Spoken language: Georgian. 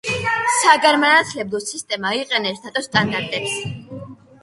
საგანმანათლებლო სისტემა იყენებს ნატოს სტანდარტებს.